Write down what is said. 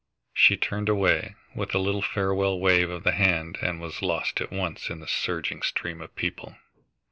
She turned away with a little farewell wave of the hand and was lost at once in the surging stream of people.